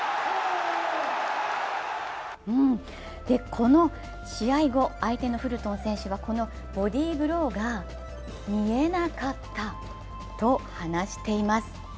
この試合後、相手のフルトン選手はこのボディーブローが見えなかったと話しています。